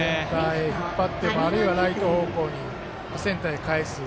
引っ張ってあるいはライト方向にセンターに返す。